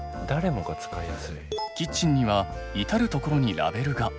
キッチンには至る所にラベルが。